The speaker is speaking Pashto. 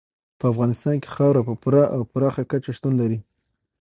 په افغانستان کې خاوره په پوره او پراخه کچه شتون لري.